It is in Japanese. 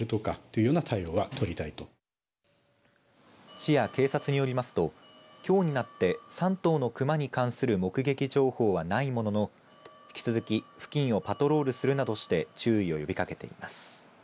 市や警察によりますときょうになって３頭の熊に関する目撃情報はないものの引き続き付近をパトロールするなどして注意を呼びかけています。